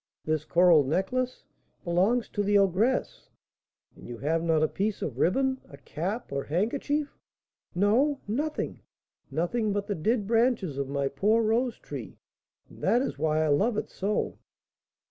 "This coral necklace?" "Belongs to the ogress." "And you have not a piece of riband, a cap, or handkerchief?" "No, nothing, nothing but the dead branches of my poor rose tree; and that is why I love it so."